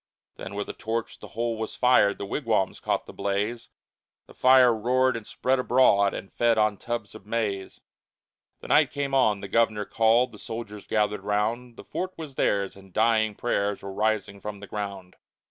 Then with a torch the whole was fired, The wigwams caught the blaze, The fire roared and spread abroad And fed on tubs of maize. The night came on, the governor called, The soldiers gathered round; The fort was theirs, and dying prayers Were rising from the ground.